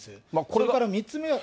それから３つ目は。